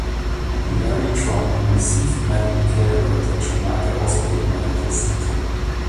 Mary Trump received medical care at the Jamaica Hospital Medical Center.